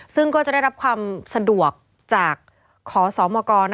ซึ่งก็จะได้รับความสะดวกจากขอสมก